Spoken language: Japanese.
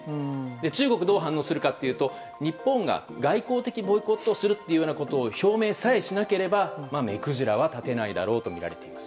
中国、どう反応するかというと日本が外交的ボイコットするということを表明さえしなければ目くじらは立てないだろうとみられています。